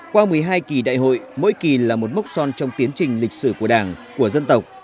qua một mươi hai kỳ đại hội mỗi kỳ là một mốc son trong tiến trình lịch sử của đảng của dân tộc